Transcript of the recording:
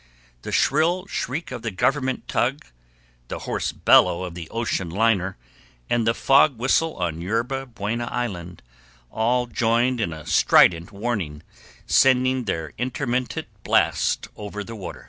The shrill shriek of the government tug, the hoarse bellow of the ocean liner, and the fog whistle on Yerba Buena Island, all joined in a strident warning, sending their intermittent blast over the water.